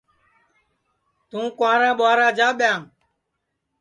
توں کِنٚوارا ٻُورا جا ٻیاںٚم